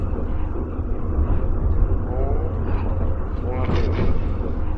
هون سوان پيو.